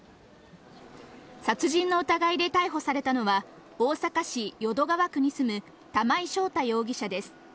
殺人の疑いで逮捕されたのは、大阪市淀川区に住む玉井将太容疑者です。